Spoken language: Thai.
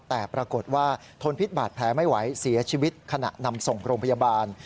แต่ปรากฏว่าทนพิษบาดแผลไม่ไหวเสียชีวิตขณะนำส่งโรงพยาบาล